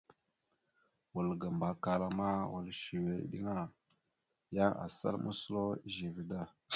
Wal ga Mbakala ma, wal səwe eɗeŋa, yan asal moslo ezeve da.